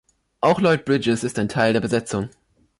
Auch Lloyd Bridges ist Teil der Besetzung.